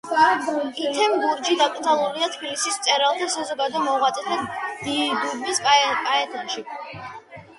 იეთიმ გურჯი დაკრძალულია თბილისის მწერალთა და საზოგადო მოღვაწეთა დიდუბის პანთეონში.